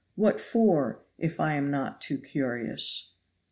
What for, if I am not too curious?"